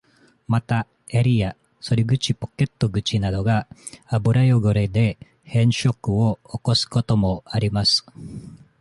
また、襟や、袖口ポケット口などが、油汚れで変色を起こすこともあります。